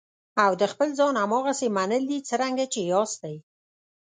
او د خپل ځان هماغسې منل دي څرنګه چې یاستئ.